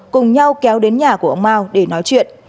cùng nhau kéo đến nhà của ông mao để nói chuyện